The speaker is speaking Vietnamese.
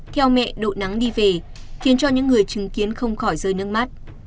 theo mẹ độ nắng đi về khiến cho những người chứng kiến không khỏi rơi nước mắt